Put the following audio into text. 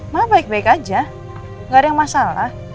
malah baik baik aja gak ada yang masalah